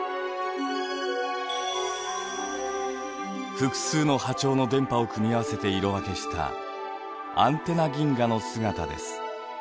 複数の波長の電波を組み合わせて色分けしたアンテナ銀河の姿です。